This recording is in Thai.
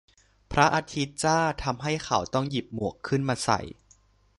พระอาทิตย์จ้าทำให้เขาต้องหยิบหมวกขึ้นมาใส่